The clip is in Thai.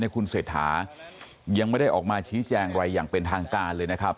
คุณเศรษฐายังไม่ได้ออกมาชี้แจงอะไรอย่างเป็นทางการเลยนะครับ